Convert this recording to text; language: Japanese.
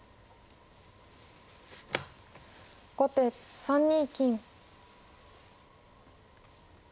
後手３二金。